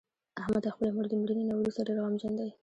احمد د خپلې مور د مړینې نه ورسته ډېر غمجن دی.